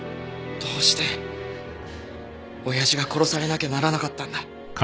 どうして親父が殺されなきゃならなかったんだ？